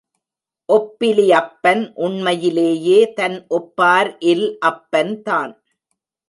ஒப்பிலி அப்பன் உண்மையிலேயே தன் ஒப்பார் இல் அப்பன் தான்.